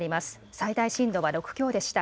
最大震度は６強でした。